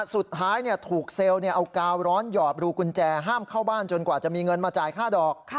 สุดท้ายถูกเซลล์เอากาวร้อนหยอดรูกุญแจห้ามเข้าบ้านจนกว่าจะมีเงินมาจ่ายค่าดอก